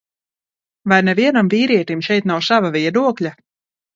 Vai nevienam vīrietim šeit nav sava viedokļa?